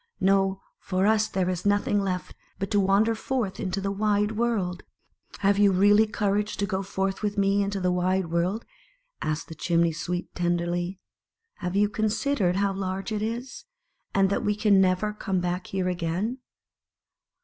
No; for us there is nothing left but to wander forth in to the wide world." " Have you really courage to go forth with me into the wide world?" asked the Chimney sweep tenderly. " Have you con sidered how large it is, and that we can never come back here again?"